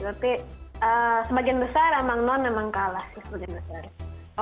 tapi sebagian besar memang non memang kalah sih sebagian besar